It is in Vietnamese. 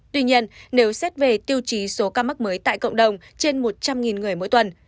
tuy nhiên nếu xét về tiêu chí số ca mắc mới tại cộng đồng trên một trăm linh người mỗi tuần